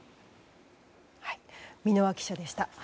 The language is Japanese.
箕輪記者でした。